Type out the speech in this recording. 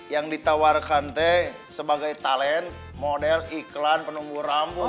yang ditawarkan teh sebagai talent model iklan penumbuh rambut